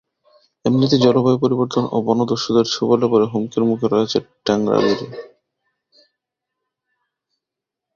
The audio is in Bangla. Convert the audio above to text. এমনিতেই জলবায়ু পরিবর্তন ও বনদস্যুদের ছোবলে পড়ে হুমকির মুখে রয়েছে টেংরাগিরি।